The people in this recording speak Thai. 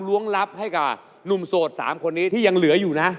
้วงลับให้กับหนุ่มโสด๓คนนี้ที่ยังเหลืออยู่นะ